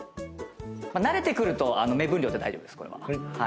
慣れてくると目分量で大丈夫ですこれは。